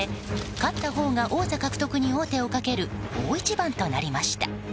勝ったほうが王座獲得に王手をかける大一番となりました。